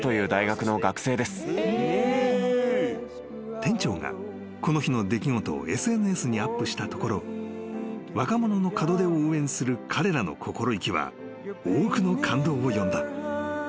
［店長がこの日の出来事をＳＮＳにアップしたところ若者の門出を応援する彼らの心意気は多くの感動を呼んだ］